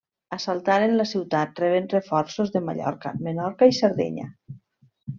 Assaltaren la ciutat rebent reforços de Mallorca, Menorca i Sardenya.